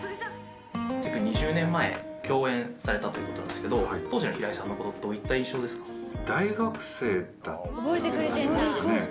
約２０年前、共演されたということなんですけれども、当時の平井さんのこと、大学生だったんじゃないですかね。